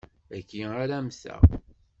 Dagi ara mmteγ.